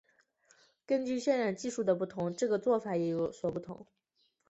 根据渲染技术的不同这个做法也有所不同。